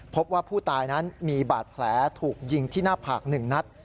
พบว่าผู้ตายนั้นมีบาดแผลถูกยิงที่หน้าผาก๑นัด